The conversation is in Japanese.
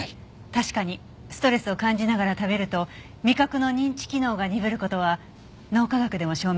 確かにストレスを感じながら食べると味覚の認知機能が鈍る事は脳科学でも証明されています。